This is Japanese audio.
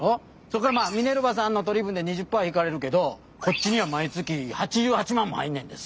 そこからまあミネルヴァさんの取り分で２０パー引かれるけどこっちには毎月８８万も入んねんで。